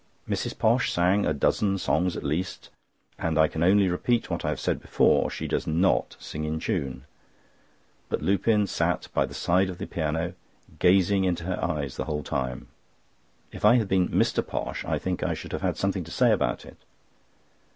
Mrs. Posh sang a dozen songs at least, and I can only repeat what I have said before—she does not sing in tune; but Lupin sat by the side of the piano, gazing into her eyes the whole time. If I had been Mr. Posh, I think I should have had something to say about it.